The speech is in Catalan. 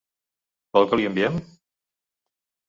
Vol que li enviem?